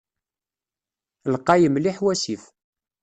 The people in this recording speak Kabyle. Lqay mliḥ wasif.